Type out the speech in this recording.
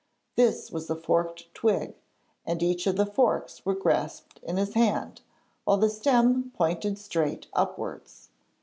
This was a forked twig, and each of the forks was grasped in his hand, while the stem pointed straight upwards.